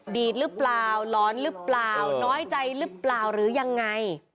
ดีดหรือเปล่าหลอนหรือเปล่าน้อยใจหรือเปล่าหรือยังไง